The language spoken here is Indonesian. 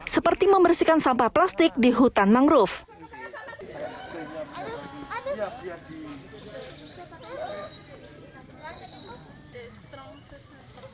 seperti membersihkan sampah plastik di hutan mangrove